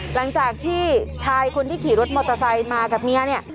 หลังจากที่ชายคนที่ขี่รถมอเตอร์ไซค์มากับเมียเนี่ย